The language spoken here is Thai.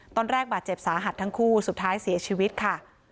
ตอนแรกบาดเจ็บสาหัสทั้งคู่สุดท้ายเสียชีวิตค่ะ